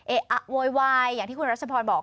อะโวยวายอย่างที่คุณรัชพรบอก